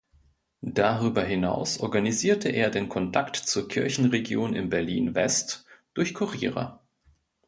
Darüber hinaus organisierte er den Kontakt zur Kirchenregion in Berlin (West) durch Kuriere.